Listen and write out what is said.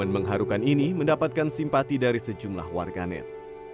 dan mengharukan ini mendapatkan simpati dari sejumlah warganet